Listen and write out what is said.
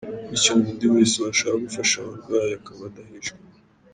Bityo ngo undi wese washaka gufasha abarawayi akaba adahejwe.